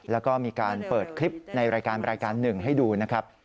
แล้วก็มีการเปิดคลิปในรายการ๑ให้ดูนะครับ